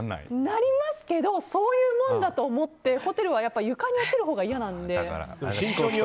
なりますけどそういうものだと思ってホテルは床に落ちるほうが嫌なので。